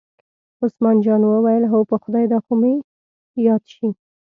عثمان جان وویل: هو په خدای دا خو مې یاد شي.